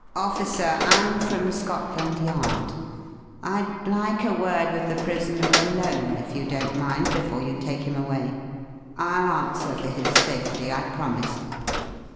"Officer, I'm from Scotland Yard. I'd like a word with the prisoner alone, if you don't mind, before you take him away. I'll answer for his safety, I promise....